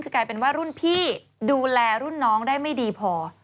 คือกลายเป็นว่ารุ่นพี่ดูแลรุ่นน้องได้ไม่ดีพอ